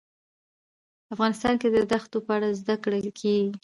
افغانستان کې د دښتو په اړه زده کړه کېږي.